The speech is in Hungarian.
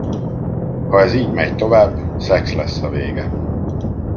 Ha ez így megy tovább, szex lesz a vége!